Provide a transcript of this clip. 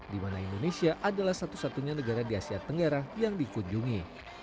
di mana indonesia adalah satu satunya negara di asia tenggara yang dikunjungi